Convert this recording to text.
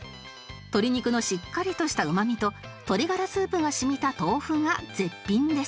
鶏肉のしっかりとしたうまみと鶏ガラスープが染みた豆腐が絶品です